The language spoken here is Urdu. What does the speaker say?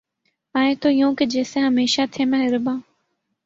آئے تو یوں کہ جیسے ہمیشہ تھے مہرباں